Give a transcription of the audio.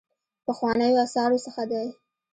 پخوانیو آثارو څخه دی.